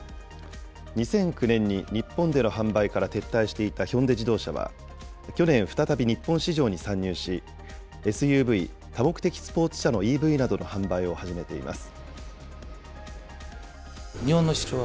２００９年に日本での販売から撤退していたヒョンデ自動車は、去年、再び日本市場に参入し、ＳＵＶ・多目的スポーツ車のＥＶなどの販売を始めています。